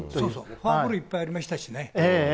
フェアプレーいっぱいありましたしね。